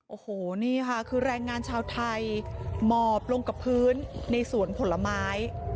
โอ้โหนี่ค่ะคือแรงงานชาวไทยหมอบลงกับพื้นในสวนผลไม้